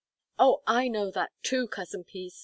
"Oh, I know that, too, Cousin Peace!"